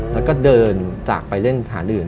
แล้วก็เดินจากไปเล่นสถานอื่น